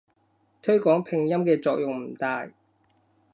推廣拼音嘅作用唔大